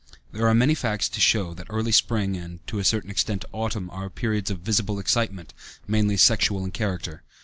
There are many facts to show that early spring and, to a certain extent, autumn are periods of visible excitement, mainly sexual in character.